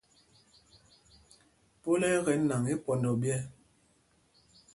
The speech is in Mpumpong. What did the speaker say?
Pɔl ɛ́ ɛ́ kɛ nǎŋ ípɔndɔ ɓyɛ̄.